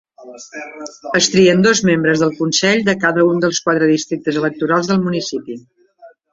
Es trien dos membres del consell de cada un dels quatre districtes electorals del municipi.